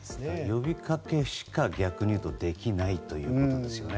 呼びかけしか、逆に言うとできないということですよね。